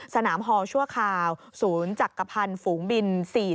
สนามฮอลชั่วคราวศูนย์จักรพันธ์ฝูงบิน๔๔